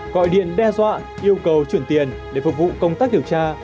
gọi điện đe dọa yêu cầu chuyển tiền để phục vụ công tác điều tra